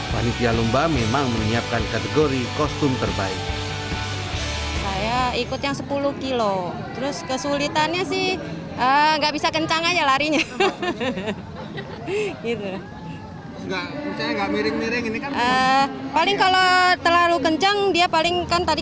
panitia lumba memang menyiapkan kategori